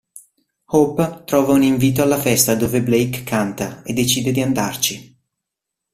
Hope trova un invito alla festa dove Blake canta e decide di andarci.